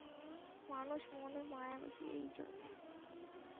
মানুষের মনে মায়া বেশি, এই জন্যে।